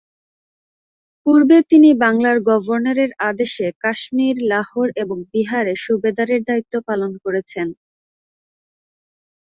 পূর্বে তিনি বাংলার গভর্নর এর আদেশে কাশ্মীর, লাহোর এবং বিহারে সুবেদার এর দায়িত্ব পালন করেছেন।